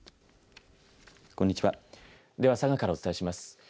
こんにちはでは佐賀からお伝えします。